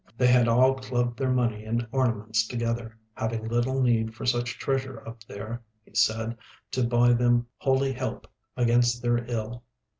They had all clubbed their money and ornaments together, having little need for such treasure up there, he said, to buy them holy help against their ill.